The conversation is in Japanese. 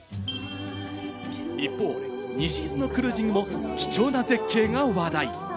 一方、西伊豆のクルージングも貴重な絶景が話題。